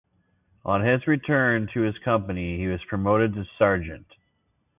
On his return to his company, he was promoted to Sergeant.